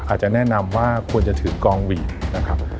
อาจจะแนะนำว่าควรจะถือกองหวีบ